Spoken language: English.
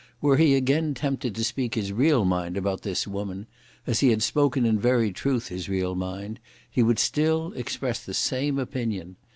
Were he again tempted to speak his real mind about this woman, as he had spoken in very truth his real mind, he would still express the same opinion.